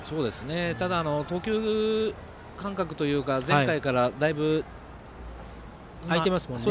ただ、投球間隔というか前回からだいぶ開いていますもんね。